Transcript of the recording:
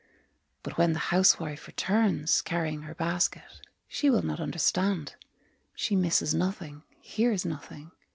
But when the housewife returns, Carrying her basket, She will not understand. She misses nothing, Hears nothing.